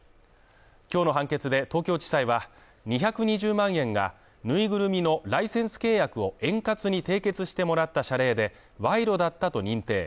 今日の判決で東京地裁は２２０万円がぬいぐるみのライセンス契約を円滑に締結してもらった謝礼で賄賂だったと認定。